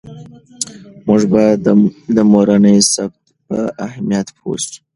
موږ باید د مورنۍ ژبې په اهمیت پوه سو.